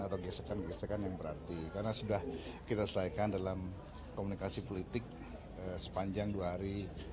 atau gesekan gesekan yang berarti karena sudah kita setiaikan dalam komunikasi politik sepanjang dua hari hari raya ini